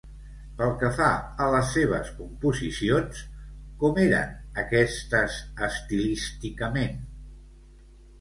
Pel que fa a les seves composicions, com eren aquestes estilísticament?